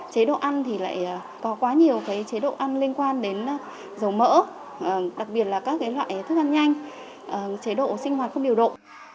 chế độ ăn thì lại có quá nhiều chế độ ăn liên quan đến dầu mỡ đặc biệt là các loại thức ăn nhanh chế độ sinh hoạt không điều độ